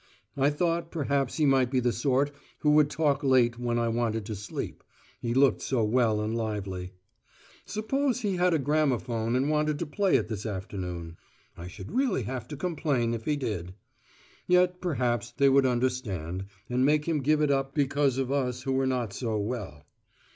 I thought perhaps he might be the sort who would talk late when I wanted to sleep he looked so well and lively; suppose he had a gramophone and wanted to play it this afternoon. I should really have to complain, if he did. Yet perhaps they would understand, and make him give it up because of us who were not so well.